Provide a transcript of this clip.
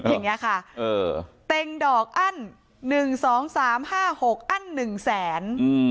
อย่างนี้ค่ะเต็งดอกอั้น๑๒๓๕๖อั้น๑แสน